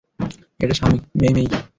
এটা সাময়িক, মেই-মেই।